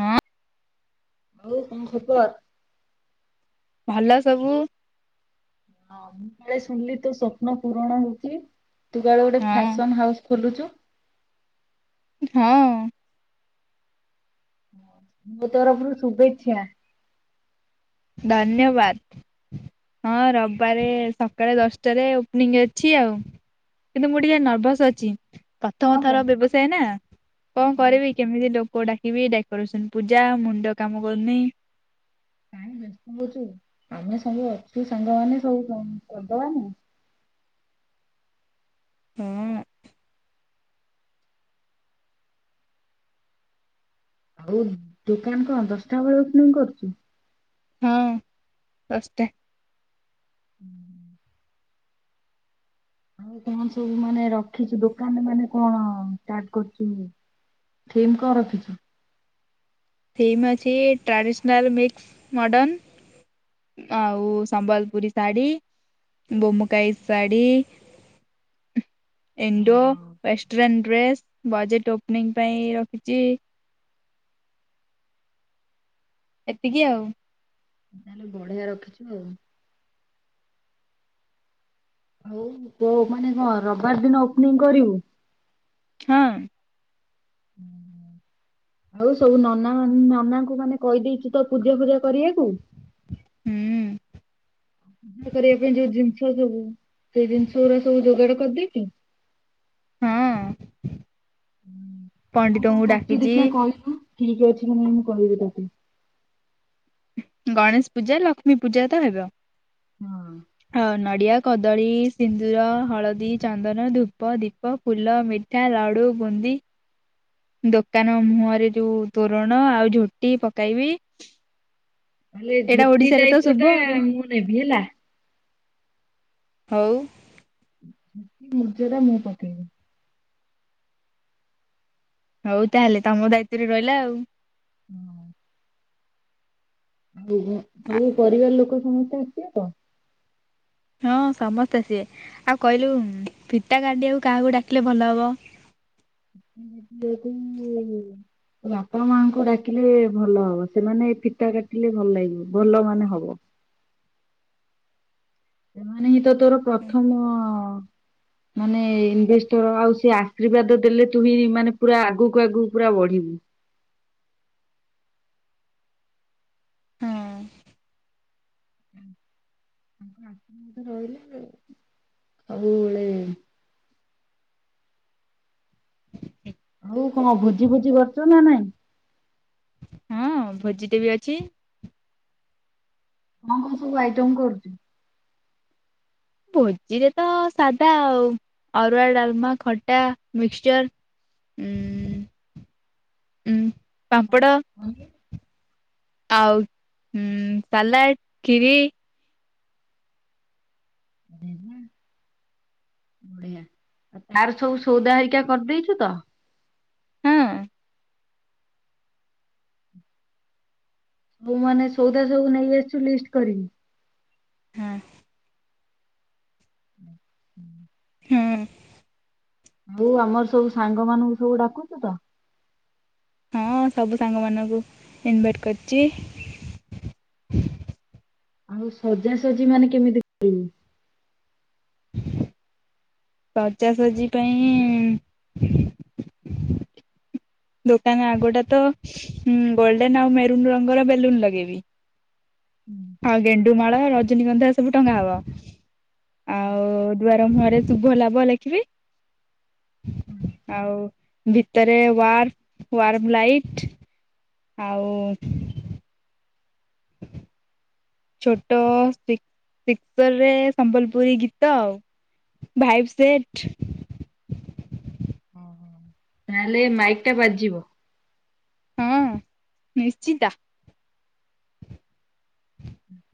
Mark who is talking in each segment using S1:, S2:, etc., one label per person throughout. S1: ହୁଁ।
S2: ଆଉ କଁ ଖବର?
S1: ଭଲ ସବୁ।
S2: ହଁ ମୁଁ କାଳେ ଶୁଣିଲି ତୋ ସ୍ୱପ୍ନ ପୂରଣ ହଉଚି ତୁ କାଳେ ଗୋଟେ
S1: ହଁ
S2: ଫ୍ୟାସନ୍ ହାଉସ୍ ଖୋଲୁଚୁ।
S1: ଉଁ ହଁ।
S2: ମୋ ତରଫରୁ ଶୁବେଚ୍ଛା।
S1: ଧନ୍ୟବାଦ୍। ହଁ ରବାରେ ସକାଳେ ଦଶଟାରେ ଓପନିଂ ଅଛି ଆଉ। କିନ୍ତୁ ମୁଁ ଟିକେ ନର୍ଭସ ଅଛି
S2: କଣ
S1: ପ୍ରଥମ ଥର
S2: ପାଇଁ?
S1: ବ୍ୟବସାୟ ନା କଁ
S2: ହଁ
S1: କରିବି। କେମିତି ଲୋକ ଡାକିବି ଡେକୋରେସନ୍ ପୂଜା ମୁଣ୍ଡ କାମ କରୁନି।
S2: [unintelligible] ଆମେ ସବୁ ଅଛୁ ସାଙ୍ଗମାନେ ସବୁ କ କରିଦବାନି।
S1: ହୁଁ।
S2: ଆଉ ଦୋକାନ କଣ ଦଶଟା ବେଳେ ଓପନିଂ କରୁଛୁ।
S1: ହଁ ଦସ ଟା।
S2: ହୁଁ। ଆଉ କଣ ସବୁ ମାନେ ରଖିଛୁ ଦୋକାନରେ ମାନେ ଷ୍ଟାର୍ଟ କରୁଛୁ? ଥିମ୍ କଣ ରଖିଛୁ।
S1: ଥିମ୍ ଅଛି ଟ୍ରାଡ଼ିସନାଲ୍ ମିକ୍ସ ମିଡର୍ନ। ଆଉ ସମ୍ବଲପୁରୀ ଶାଢୀ, ବୋମୁକାଇ ଶାଢ଼ୀ। [inaudible] ଇଣ୍ଡୋ
S2: ଓହୋ
S1: ୱେଷ୍ଟର୍ନ ଡ୍ରେସ୍ ବଜେଟ ଓପନିଂ ପାଇଁ ରଖିଛି। ଏତିକି ଆଉ।
S2: ତାହେଲେ ବଢିଆ ରଖିଛୁ ଆଉ। ହଉ ତୋ ମାନେ କଣ ରବିବାର ଦିନ ଓପନିଂ କରିବୁ।
S1: ହଁ। [inaudible]
S2: ଆଉ ସବୁ ନନା ମାନେ ନନାଙ୍କୁ ମାନେ କହିଦେଇଛିୁ ତ ପୂଜା ଫୂଜା କରିବାକୁ।
S1: ହୁଁ।
S2: କରିବା ପାଇଁ ଯୋଉ ଜିନିଷ ସବୁ ସେଇ ଜିନିଷ ଗୁଡା ସବୁ ଯୋଗାଡ କରିଦେଇକି
S1: [inaudible]
S2: ହୁଁ ହଁ କଣ
S1: ପଣ୍ଡିତଙ୍କୁ
S2: କରୁଛୁ
S1: ଡାକିଛି
S2: ଦେଖିବା କହିବୁ? ଠିକ ଅଛି ନା ନାଇଁ ମୁଁ କହିବି ତତେ।
S1: ଗଣେଶ ପୂଜା, ଲକ୍ଷ୍ମୀ ପୂଜା ତ ହେବ।
S2: ହଁ।
S1: ହଁ ନଡ଼ିଆ, କଦଳୀ, ସିନ୍ଦୁର, ହଳଦୀ, ଚନ୍ଦନ, ଧୂପ, ଦୀପ ଫୁଲ ମିଠା ଉ ଲଡ଼ୁ, ବୁନ୍ଦୀ ଦୋକାନ ମୁହଁରେ ଯୋଉ ତୋରଣ ଆଉ ଝୋଟି ପକେଇବି।
S2: ହେଲେ ଝୋଟି ଦାୟିତ୍ୱ
S1: ଶୁଭ
S2: ଟା
S1: ଆଉ
S2: ମୁଁ ନେବି ହେଲା।
S1: ହଉ।
S2: ମୁରୁଜଟା ମୁଁ ପକେଇବି।
S1: ହଉ ତାହେଲେ ତମ ଦାୟିତ୍ୱରେ ରହିଲା ଆଉ।
S2: ହୁଁ। ଆଉ ସବୁ ପରିବାର ଲୋକ ସମସ୍ତେ ଆସିବେ ତ?
S1: ହଁ ସମସ୍ତେ ସିଏ ଆଉ କହିଲୁ ଫିତା କାଡିଆକୁ କାହାକୁ ଡାକିଲେ ଭଲ ହବ।
S2: [unintelligible] ବାପା ମାଆଙ୍କୁ ଡାକିଲେ ଭଲ ହବ, ସେମାନେ ଫିତା କାଟିଲେ ଭଲ ଲାଗିବ ଭଲ ମାନେ ହବ। ସେମାନେ ହିଁ ତ ତୋର ପ୍ରଥମ ମାନେ ଇନଭେଷ୍ଟର ଆଉ ସେ ଆଶୀର୍ବାଦ ଦେଲେ ତୁ ହିଁ ମାନେ ପୁରା ଆଗକୁ ଆଗକୁ ପୁରା ବଢିବୁ।
S1: ହଁ
S2: [unintelligible] ରହିଲା ହଉ କଣ ଭୋଜି ଭୋଜି କରୁଛ ନା ନାଇଁ।
S1: ହଁ ଭୋଜିଟେ ବି ଅଛି।
S2: କଣ କଣ ସବୁ ଆଇଟମ୍ କରୁଛୁ?
S1: ଭୋଜିରେ ତ ସାଧା ଆଉ ଅରୁଆ, ଡାଲମା, ଖଟା, ମିକ୍ସଚର। ଉଁ ଉଁ ପାମ୍ପଡ଼
S2: ବଢିଆ।
S1: ଆଉ ସାଲାଡ଼, ଖିରି [inaudible]
S2: ବଢିଆ, ଆଉ ତାର ସବୁ ସଉଦା ହରିକା କରିଦେଇଛୁ ତ?
S1: ହଁ
S2: ହଉ ମାନେ ସଉଦା ସବୁ ନେଇ ଆସିଛୁ ଲିଷ୍ଟ କରିବି।
S1: ହଁ।
S2: ହଁ ହୁଁ।
S1: ହୁଁ।
S2: ଆଉ ଆମର ସବୁ ସାଙ୍ଗ ମାନଙ୍କୁ ସବୁ ଡ଼ାକୁଚୁ ତ।
S1: ହଁ ସବୁ ସାଙ୍ଗ ମାନଙ୍କୁ ଇନଭାଇଟ୍ କରିଛି।
S2: ଆଉ ସଜାସଜି ମାନେ କେମିତି କରିବୁ?
S1: ଶଜାଶଜି ପାଇଁ ଦୋକାନ ଆଗୋଟା ତ ଗୋଲଡ଼େନ ଆଉ ମେରୁନ୍ ରଙ୍ଗର ବେଲୁନ୍ ଲଗେଇବି। ଆଉ ଗେଣ୍ଡୁମାଳ ରଜନୀଗନ୍ଧା ଏ ସବୁ ଟଙ୍ଗା ହବ।
S2: ହଁ।
S1: ଆଉ ଦୁଆାର ମୁହଁରେ ଶୁଭ ଲାଭ ଲେଖିବି। ଆଉ ଭିତରେ ୱାର୍ମ ୱାର୍ମ ଲାଇଟ୍ ଆଉ [inaudible] ଛୋଟ ଶ୍ପିକ୍ ଶ୍ପିକରେ ସମ୍ବଲପୁରୀ ଗୀତ ଆଉ ଭାଇଭ୍ ସେଟ।
S2: ଓଁ ହୋ। ତାହେଲେ ମାଇକ୍ ଟା ବାଜିବ।
S1: ହଁ ନିଶ୍ଚିିତ।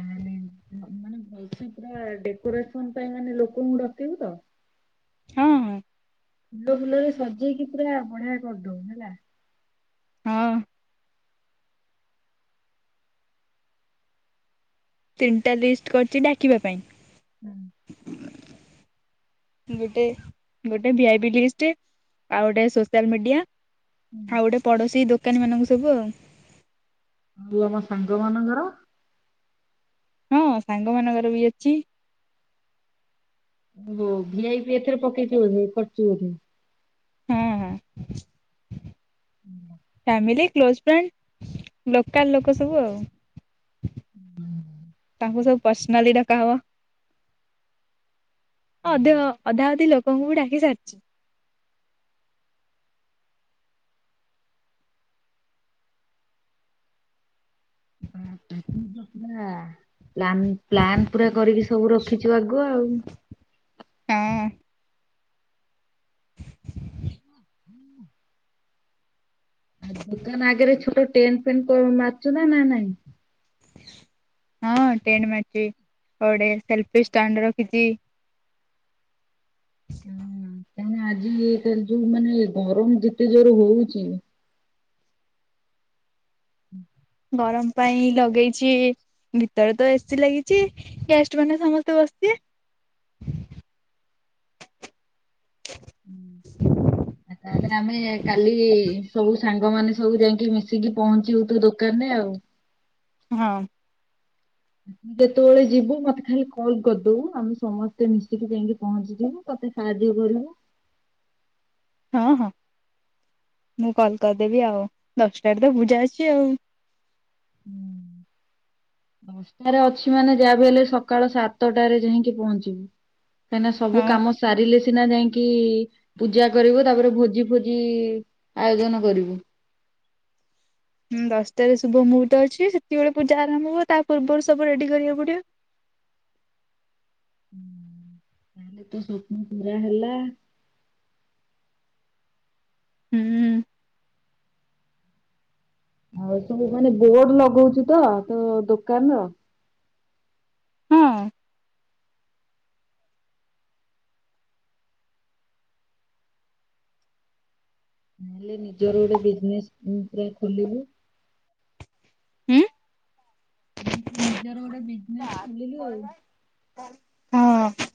S2: ମାନେ ଭଲସେ ପୁରା ଡ଼େକୋରେସନ ପାଇଁ ମାନେ ଲୋକଙ୍କୁ ଡକେଇବୁ ତ?
S1: ହଁ ହଁ
S2: ଫୁଲ ଫୁଲରେ ସଜେଇକି ପୁରା ବଢ଼ିଆ କରିଦବୁ ହେଲା।
S1: ହଁ ତିନିଟା ଲିଷ୍ଟ୍ କରିଛି ଡ଼ାକିବା ପାଇଁ।
S2: ହୁଁ।
S1: [inaudible] ଗୋଟେ ଗୋଟେ ଭିଆଇ ଲିଷ୍ଟ ଆଉ ଗୋଟେ ସୋସିଆଲ ମିଡ଼ିଆ।
S2: ହୁଁ।
S1: ଆଉ ଗୋଟେ ପଡ଼ୋଶୀ ଦୋକାନୀ ମାନଙ୍କୁ ସବୁ ଆଉ।
S2: ନେଲେ ମୋ ସାଙ୍ଗ ମାନଙ୍କର।
S1: ହୁଁ ସାଙ୍ଗ ମାନଙ୍କର ବି ଅଛି।
S2: ହଁ ଭିଆଇ ପି ଏଥରେ ପକେଇଚୁ ବୋଧେ କରିଚୁ ବୋଧେ?
S1: ହିଁ ହିଁ।
S2: ହୁଁ।
S1: ଫ୍ୟାମିଲି କ୍ଲୋଜ୍ ଫ୍ରେଣ୍ଡ ଲୋକାଲ ଲୋକ ସବୁ ଆଉ। ତାଙ୍କୁ ସବୁ ପର୍ସନାଲି ଡ଼କା ହବ। ଅଧ ଅଧା ଅଧି ଲୋକଙ୍କୁ ବି ଡ଼ାକି ସାରିଛି।
S2: ବାୁ ତୁ ତ ପୁରା ପ୍ଲାନିଂ ପ୍ଲାନ୍ ପୁରା କରିକି ସବୁ ରଖିଛୁ ଆଗୁଆ ଆଉ।
S1: ହଁ।
S2: [inaudible] ଆଉ ଦୋକାନ ଆଗରେ ଛୋଟ ଟେଣ୍ଡ୍ ଫେଣ୍ଡ୍ ତୋର ମାରୁଛୁ ନା ନାଇଁ।
S1: ହଁ ଟେଣ୍ଡ୍ ମାରିଛି ଆଉ ଗୋଟେ ସେଲ୍ଫି ଷ୍ଟାଣ୍ଡ ରଖିଛି।
S2: ହଁ କାରଣ ଆଜି ଯୋଉ ମାନେ ଗରମ ଯେତେ ଜୋର ହୋଉଛି ହୁଁ
S1: ଗରମ ପାଇଁ ଲଗେଇଛି ଭିତରେ ତ ଏସି ଲାଗିଛି ଗେଷ୍ଟ୍ ମାନେ ସମସ୍ତେ ବସିଥିବେ ହ
S2: [unintelligible] ରଜରେ ଆମେ କାଲି ସବୁ ସାଙ୍ଗ ମାନେ ସବୁ ଯାଇକି ମିଶିକି ପହଞ୍ଚିଲୁ ଦୁ ଦୋକାନ ରେ ଆଉ।
S1: ହଁ।
S2: ଯେତେବେଳେ ଯିବୁ ମତେ ଖାଲି କଲ୍ କରିଦବୁ ଆମେ ସମସ୍ତେ ମିଶିକି ଯାଇକି ପହଞ୍ଚିଯିବୁ। ତତେ ସାହାଯ୍ୟ କରିବୁ।
S1: ହଁ ହଁ। ମୁଁ କଲ୍ କରିଦେବି ଆଉ ଦଶଟାରେ ତ ପୂଜା ଅଛି ଆଉ।
S2: ଦଶଟାରେ ଅଛି ମାନେ ଯାହା ବି ହେଲେ ସକାଳ ସାତଟାରେ ଯାଇଁକି ପହଞ୍ଚିବୁ। କାହିଁନା ସବୁ
S1: ହଁ
S2: କାମ ସାରିଲେ ସିନା ଯାଇକି ପୂଜା କରିବୁ ତାପରେ ଭୋଜି ଫୋଜି ଆୟୋଜନ କରିବୁ।
S1: ହୁଁ ଦଶଟାରେ ଶୁଭ ମୁହୁର୍ତ୍ତ ଅଛି ସେତିକି ବେଳେ ପୂଜା ଆରମ୍ଭ ହବ ତା ପୂର୍ବରୁ ସବୁ ରେଡି କରିଆକୁ ପଡିବ।
S2: ତାହେଲେ ତୋ ସୋପ୍ନ ପୂୁରା ହେଲା।
S1: ହୁଁ।
S2: ଆଉ ସବୁ ମାନେ ବୋର୍ଡ ଲଗଉଚୁ ତ ତୋ ଦୋକାନ ର।
S1: ହଁ
S2: ହେଲେ ନିଜର ଗୋଟେ ବିଜ୍ନେସ୍ ମୁଁ ପୁରା ଖୋଲିବି।
S1: ହୁଁ
S2: ମୁଁ ତ ନିଜର ଗୋଟେ ବିଜ୍ନେସ୍ ଖୋଲିଲି ଆଉ।
S1: ହଁ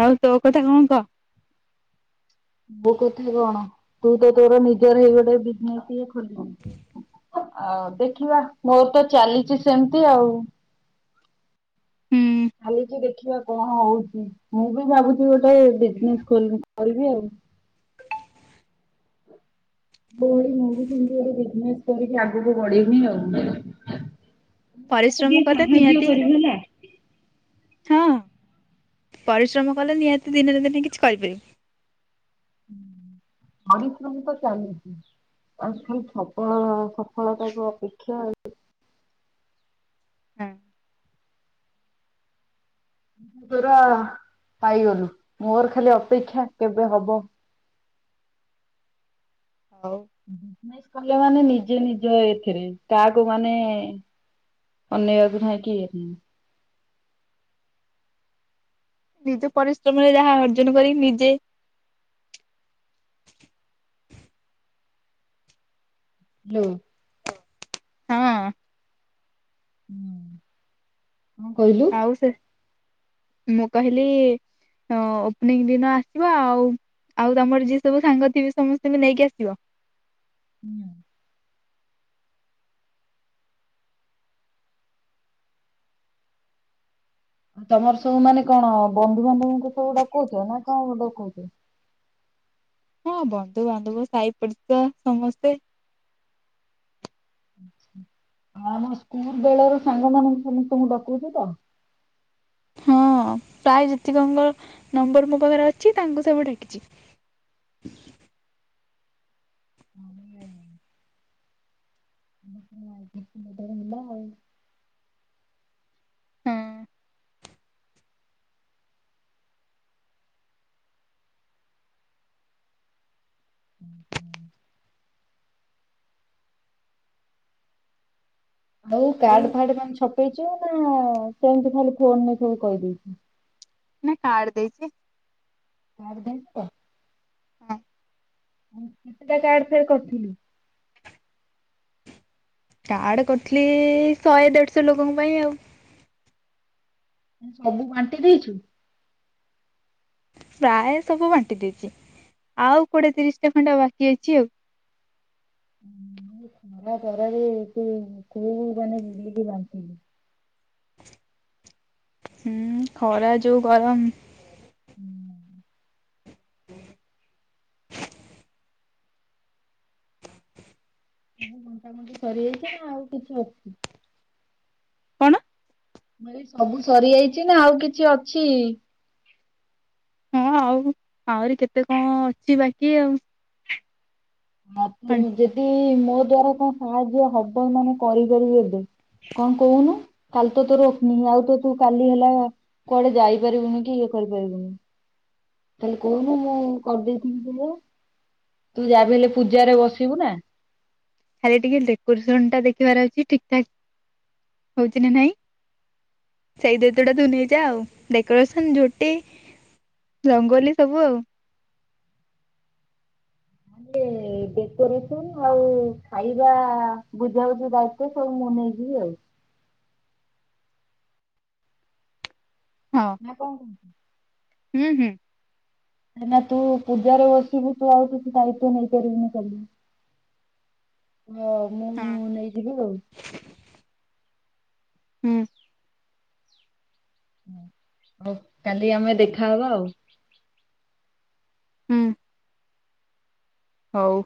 S1: ଆଉ ତୋ କଥା କଣ କହ?
S2: ମୋ କଥା କଣ ତୁ ତ ତୋର ନିଜର ହେଇ ଗଲେ ବିଜ୍ନେସ୍ ଟିଏ ଖୋଲିବୁ। ଆଉ ଦେଖିବା ମୋର ତ ଚାଲିଚି ସେମିତି ଆଉ।
S1: ହୁଁ
S2: ଖାଲିିକି ଦେଖିବା କଣ ହଉଚି ମୁଁ ବି ଭାବୁଚି ଗୋଟେ ବିଜିନେସ୍ ଖୋଲ୍ କରିବି ଆଉ। ତୋ ଭଳି ମୁଁ ସେମିତି ଗୋଟେ ବିଜିନେସ୍ କରିକି ଆଗକୁ ବଢିବି ଆଉ। ମତେ ଟିକେ
S1: ପରିଶ୍ରମ କଲେ
S2: ସାହାଯ୍ୟ
S1: ନିହାତି
S2: କରିବୁ ହେଲା।
S1: ହଁ। ପରିଶ୍ରମ କଲେ ନିହାତି ଦିନା ନା ଦିନେ କିଛି କରିପାରିବୁ।
S2: ଆଉ କେହି ତମକୁ ଚାହିଁ ବେନି। ଅଳ୍ପ ଥବ ସଫଳତାକୁୁ ଅପେକ୍ଷା।
S1: ହୁଁ।
S2: ତୁ ତୋର ପାଇଗଲୁ ମୋର ଖାଲି ଅପେକ୍ଷା କେବେ ହବ।
S1: ହଉ।
S2: ମୁଁ କଲି ମାନେ ନିଜେ ନିଜ ଏଥିରେ କାହାକୁ ମାନେ ଅନେଇଆକୁ ନାଇ କିଏ ବି।
S1: ନିଜ ପରିଶ୍ରମରେ ଯାହା ଅର୍ଜନ କରି ନିଜେ
S2: ହାଲୋ।
S1: ହଁ।
S2: ହୁଁ, କଁ କଇଲୁ?
S1: ଆଉ ସେ, ମୁଁ କହିଲି ହଁ ଓପ୍ନିଙ୍ଗ୍ ଦିନ ଆସିବ ଆଉ। ଆଉ ତମର ଯିଏ ସବୁ ସାଙ୍ଗ ଥିବେ ସମସ୍ତିଙ୍କୁ ନେଇକି ଆସିବ।
S2: ହୁଁ। ତମର ସବୁ ମାନେ କଣ ବନ୍ଧୁବାନ୍ଧବଙ୍କୁ ସବୁ ଡକଉଚ ନା କଣ ଡକଉଚ?
S1: ହଁ ବନ୍ଧୁବାନ୍ଧବ ସାଇପଡିସା ସମସ୍ତେ।
S2: ଆଛା ଆଉ ଆମ ସ୍କୁଲ୍ ବେଳ ର ସାଙ୍ଗ ମାନଙ୍କୁ ସମସ୍ତଙ୍କୁ ଡକଉଚୁ ତ?
S1: ହଁ ପ୍ରାୟେ ଜେତିକଙ୍କ ନମ୍ବର ମୋ ପାଖରେ ଅଛି ତାଙ୍କୁ ସବୁ ଡାକିଚି।
S2: [unintelligible]
S1: ହୁଁ।
S2: ହୁଁ ହୁଁ। ହଉ କାର୍ଡ ଫାଡ ମେ ଛପେଇଛୁ ନା ସେମିତି ଖାଲି ଫୋନ ନେଇ ସବୁ କହିଦେଇଛୁ।
S1: ନା କାର୍ଡ ଦେଇଛି।
S2: କାର ଦେଲୁ ତ?
S1: ହଁ।
S2: କେତେଟା କାର୍ଡ ପେ କରିଥିଲି?
S1: କାର୍ଡ କରିଥିଲି ଶହେ ଦେଢ଼ଶହ ଲୋକଙ୍କ ପାଇଁ ଆଉ।
S2: ସବୁ ବାଣ୍ଟି ଦେଇଛୁ?
S1: ପ୍ରାୟ ସବୁ ବାଣ୍ଟି ଦେଇଛି ଆଉ କୋଡିଏ ତିରିଶଟା ଖଣ୍ଡେ ବାକି ଅଛି ଆଉ।
S2: [unintelligible]
S1: ହୁଁ ଖରା ଯୋଉ ଗରମ।
S2: ହୁଁ। ସବୁ ମଣ୍ଟାମଣ୍ଟି ସରିଯାଇଛି ନା ଆଉ କିଛି ଅଛି?
S1: କଣ?
S2: ମୁଁ କହିଲି ସବୁ ସରି ଯାଇଛି ନା ଆଉ କିଛି ଅଛି?
S1: ହଁ ଆଉ ଆହୁରି କେତେ କଣ ଅଛି ବାକି ଆଉ।
S2: ମତେ ଯଦି ମୋ ଦ୍ଵାରା କଣ ସାହାଯ୍ୟ ହବ ମାନେ କରିକରି ଦେବି। କଣ କହୁନୁ? କାଲି ତୁ ରଖୁନି ଆଉ ତ ତୁ କାଲି ହେଲା କୁଆଡେ ଯାଇପାରିବୁନି କି ଇଏ କରିପାରିବୁନି। ତାହଲେ କହୁନୁ ମୁଁ କରିଦେଇଥିବି ଥିଲେ ତୁ ଯାବି ହେଲେ ପୂଜାରେ ବସିବୁ ନା।
S1: ଖାଲି ଟିକେ ଡେକୋରେସନ ଟା ଦେଖିବାର ଅଛି ଠିକ ଠାକ ହଉଛି କି ନାଇଁ ସେଇ ଦେତଟା ଟୁ ନେଇଯା ଆଉ ଡକୋରେସନ ଝୋଟି ରଙ୍ଗଲୀ ସବୁ ଆଉ।
S2: ଡେକୋରେସନ ଆଉ ଖାଇବା ବୁଝାବୁଝି ଦାୟିତ ସବୁ ମୁଁ ନେଇଯିବି ଆଉ।
S1: ହଁ।
S2: ନା କଣ କହୁଚୁ।
S1: ହୁଁ ହୁଁ।
S2: କାଇଁ ନା ତୁ ପୂଜାରେ ବସିବୁ ତୁ ଆଉ କିଛି ଦାୟିତ୍ଵ ନେଇପାରିବୁନି କାଲି। ହଁ ମୁଁ
S1: ହୁଁ ହଁ
S2: ନେଇଯିବି ଆଉ।
S1: ହୁଁ।
S2: ଆଉ କାଲି ଆମେ ଦେଖାହବା ଆଉ।
S1: ହୁଁ। ହଉ।